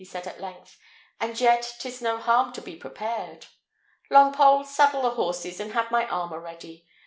said he, at length; "and yet 'tis no harm to be prepared. Longpole, saddle the horses, and have my armour ready.